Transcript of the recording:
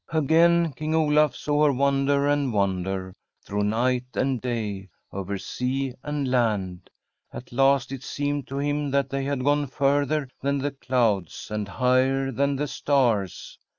Again King Olaf saw her wander and wander, through night and day, over sea and land. At last it seemed to him that they had gone further than the clouds and higher than the stars.